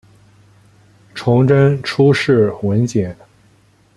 崇祯初谥文简。